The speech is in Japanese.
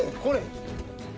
これ。